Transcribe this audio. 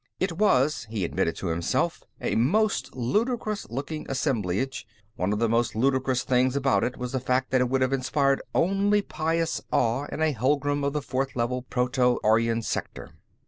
It was, he admitted to himself, a most ludicrous looking assemblage; one of the most ludicrous things about it was the fact that it would have inspired only pious awe in a Hulgun of the Fourth Level Proto Aryan Sector.